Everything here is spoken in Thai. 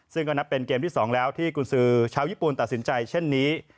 ซึ่งก็นับเป็นเกมที่๒แล้วที่กุญสือชาวญี่ปุ่นตัดสินใจเช่นนี้